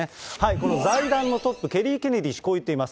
この財団のトップ、ケリー・ケネディ氏、こう言っています。